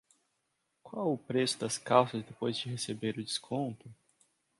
Qual o preço das calças depois de receber o desconto?